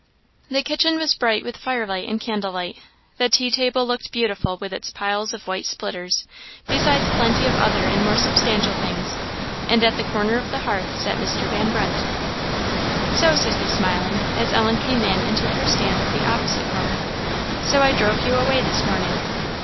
The kitchen was bright with firelight and candlelight; the tea table looked beautiful with its piles of white splitters, besides plenty of other and more substantial things; and at the corner of the hearth sat Mr. Van Brunt. "So," said he, smiling, as Ellen came in and took her stand at the opposite corner "So I drove you away this morning?